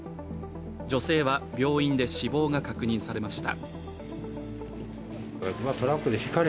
女性は病院で死亡が確認されました。